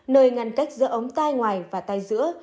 nơi ngăn cách giữa ống tai ngoài và tai giữa